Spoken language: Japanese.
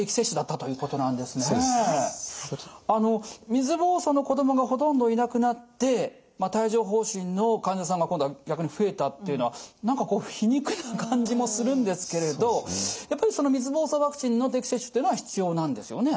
水ぼうそうの子供がほとんどいなくなって帯状ほう疹の患者さんが今度は逆に増えたっていうのは何か皮肉な感じもするんですけれどやっぱり水ぼうそうワクチンの定期接種っていうのは必要なんですよね？